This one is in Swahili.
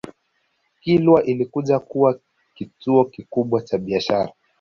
Kilwa ilikuja kuwa kituo kikubwa cha biashara